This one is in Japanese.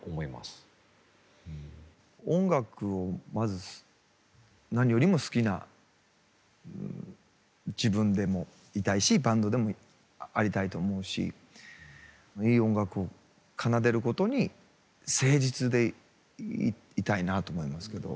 音楽をまず何よりも好きな自分でもいたいしバンドでもありたいと思うしいい音楽を奏でることに誠実でいたいなと思いますけど。